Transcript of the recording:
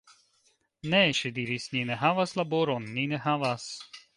Ne, ŝi diris, ni ne havas laboron, ni ne havas!